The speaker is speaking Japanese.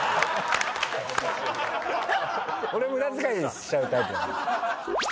俺無駄遣いしちゃうタイプだから。